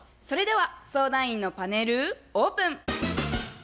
それでは相談員のパネルオープン。